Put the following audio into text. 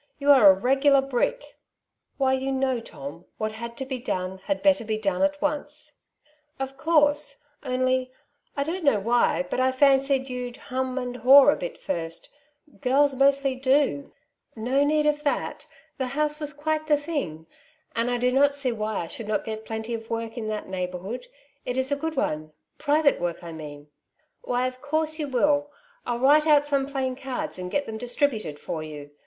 You are a regular brick/' " Why you know, Tom, what had to be done had better be done at once/' " Of course ; only — I don't know why — but I fancied you^d ' hum and haw ' a bit first ; girls mostly do.^ 3} Flitting. 8 1 ^' No need of that, the house was quite the thing ; and I do not see why I should not get plenty of work in that neighbourhood — it is a good one— private work, I mean/' '^ Why, of course you will. Fll write out some plain cards, and get them distributed for you.